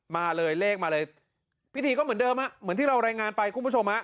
มาเลยเลขมาเลยพิธีก็เหมือนเดิมฮะเหมือนที่เรารายงานไปคุณผู้ชมฮะ